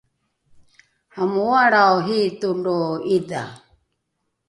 amooalrao hiito lo’idha